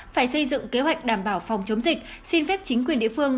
phải xây dựng kế hoạch đảm bảo phòng chống dịch xin phép chính quyền địa phương